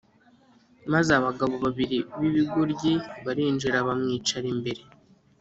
Maze abagabo babiri b’ibigoryi barinjira bamwicara imbere